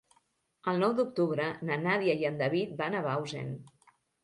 El nou d'octubre na Nàdia i en David van a Bausen.